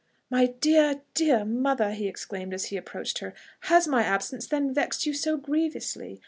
"My dear, dear mother!" he exclaimed as he approached her, "has my absence then vexed you so grievously?...